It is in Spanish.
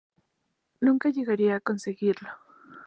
Nunca llegaría a conseguirlo.